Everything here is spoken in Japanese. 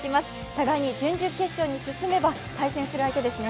互いに準々決勝に進めば対戦する相手ですね。